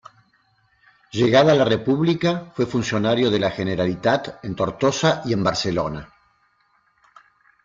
Llegada la República, fue funcionario de la Generalitat en Tortosa y en Barcelona.